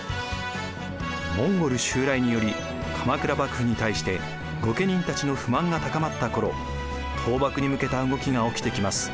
モンゴル襲来により鎌倉幕府に対して御家人たちの不満が高まった頃倒幕に向けた動きが起きてきます。